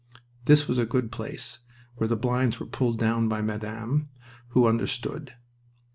This was a good place where the blinds were pulled down by Madame, who understood.